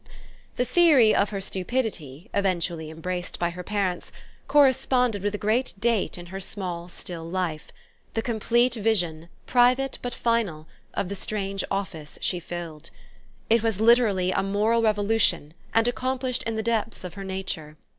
The theory of her stupidity, eventually embraced by her parents, corresponded with a great date in her small still life: the complete vision, private but final, of the strange office she filled. It was literally a moral revolution and accomplished in the depths of her nature.